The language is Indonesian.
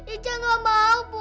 echa gak mau bu